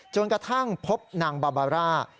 จนกระทั่งพบนางบาบาร่า